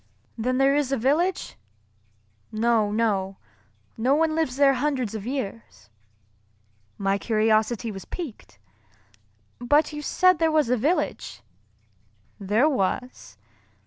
"Then there is a village?" "No, no. No one lives there hundreds of years." My curiosity was piqued, "But you said there was a village." "There was."